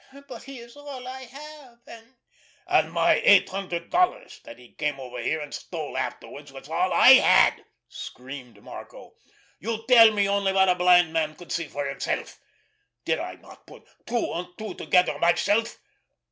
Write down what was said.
But he is all I have, and——" "And my eight hundred dollars, that he came over here and stole afterwards, was all I had!" screamed Marco. "You tell me only what a blind man could see for himself! Did I not put two and two together myself?